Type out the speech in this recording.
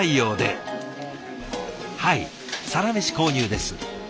はいサラメシ購入です。